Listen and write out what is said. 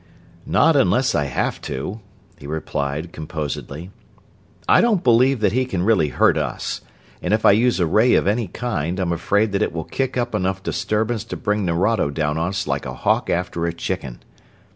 "Not unless I have to," he replied, composedly. "I don't believe that he can really hurt us, and if I use a ray of any kind I'm afraid that it will kick up enough disturbance to bring Nerado down on us like a hawk after a chicken.